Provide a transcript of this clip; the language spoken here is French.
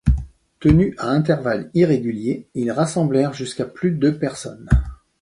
Tenus à intervalles irréguliers, ils rassemblèrent jusqu'à plus de personnes.